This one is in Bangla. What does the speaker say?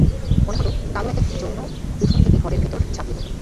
মনে হল কালো একটা কী-যৌন উঠোন থেকে ঘরের ভিতর ঝাঁপিয়ে পড়ল।